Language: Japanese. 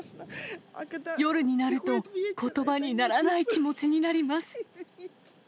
夜になると、ことばにならない気持ちになります。